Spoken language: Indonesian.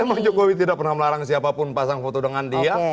memang jokowi tidak pernah melarang siapapun pasang foto dengan dia